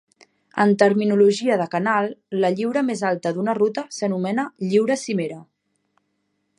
En terminologia de canal, la lliura més alta d'una ruta s'anomena lliura cimera.